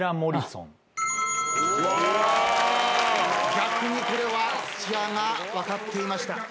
逆にこれは土屋が分かっていました。